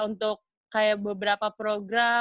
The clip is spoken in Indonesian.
untuk kayak beberapa program